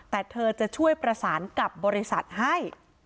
แต่เธอจะช่วยประสานกับบริษัทให้